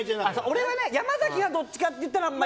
俺はね、山崎はどっちかといったら。